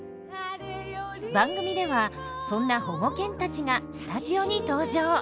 番組ではそんな保護犬たちがスタジオに登場。